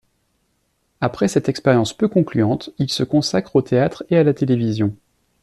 Après cette expérience peu concluante, il se consacre au théâtre et à la télévision.